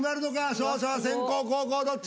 勝者は先攻後攻どっち？